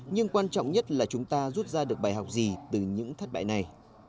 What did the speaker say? nhưng quan trọng nhất là chúng ta rút ra được bài học gì từ những thất bại này